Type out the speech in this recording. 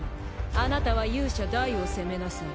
あなたは勇者ダイを攻めなさい。